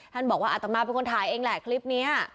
ท่านบอกว่าอัตมาเป็นคนถ่ายเองแหละคลิปนี้